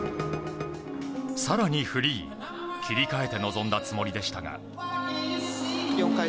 更に、フリー切り替えて臨んだつもりでしたが。